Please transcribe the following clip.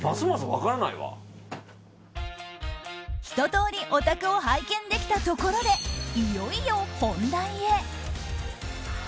ひととおり、お宅を拝見できたところでいよいよ本題へ。